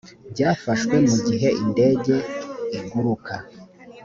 byafashwe mu gihe indege iguruka